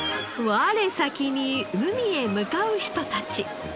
我先に海へ向かう人たち。